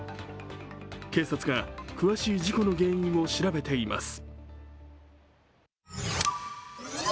警察が詳しい事故の原因を調べています。